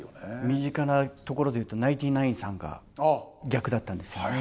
身近なところで言うとナインティナインさんが逆だったんですよね。